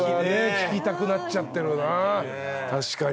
聞きたくなっちゃってるな確かに。